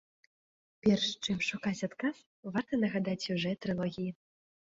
Перш, чым шукаць адказ, варта нагадаць сюжэт трылогіі.